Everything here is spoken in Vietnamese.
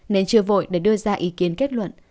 nên chưa vội để đưa ra ý kiến kết luận